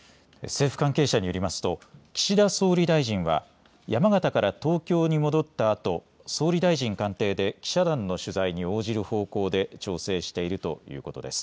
政府関係者によりますと岸田総理大臣は山形から東京に戻ったあと総理大臣官邸で記者団の取材に応じる方向で調整しているということです。